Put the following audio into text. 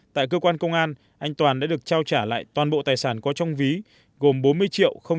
tại cơ quan công an anh toàn đã được trao trả lại toàn bộ tài sản có trong ví gồm bốn mươi triệu bốn mươi đồng